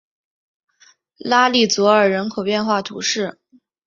拉利佐尔人口变化图示